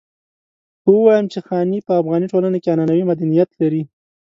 که ووايم چې خاني په افغاني ټولنه کې عنعنوي مدنيت لري.